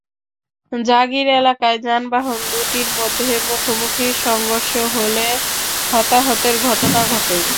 জাগীর এলাকায় যানবাহন দুটির মধ্যে মুখোমুখি সংঘর্ষ হলে হতাহতের ঘটনা ঘটে।